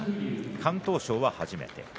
敢闘賞は初めてです。